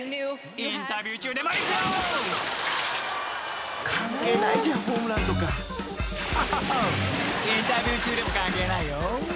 ［インタビュー中でも関係ないよ］